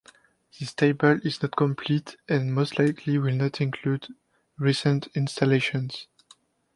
This table is not complete and most likely will not include recent installations.